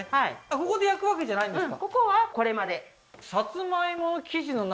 ここで焼くわけじゃないんですか？